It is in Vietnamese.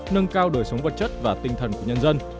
nâng cao đời sống vật chất và tinh thần của nhân dân